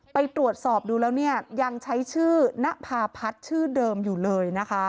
ไปตรวจสอบดูแล้วยังใช้ชื่อณภาพัฒน์ชื่อเดิมอยู่เลย